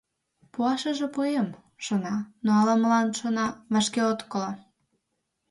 «Пуашыже пуэм, шона, но ала-молан, шона, вашке от коло».